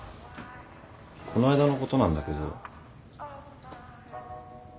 この間のことなんだけど。